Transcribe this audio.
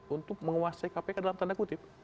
untuk menguasai kpk dalam tanda kutip